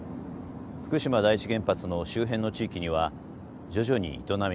福島第一原発の周辺の地域には徐々に営みが戻り始めています。